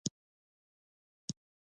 تحولاتو مطلب اسلام غلبه ده.